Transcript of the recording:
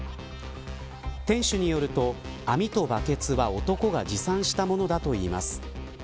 店主によると、網とバケツは男が持参したものだといいます。